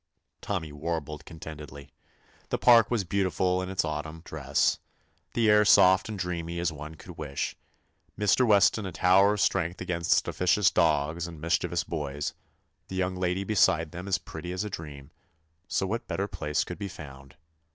Tommy warbled contentedly. The park was beautiful in its Autumn dress, the air soft and dreamy as one could wish, Mr. Weston a tower of strength against officious dogs and 86 TOMMY POSTOFFICE mischievous boys, the young lady be side them as pretty as a dream, so what better place could be found